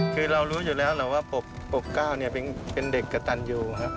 คือเรารู้อยู่แล้วแหละว่าปกเก้าเป็นเด็กกระตันอยู่ครับ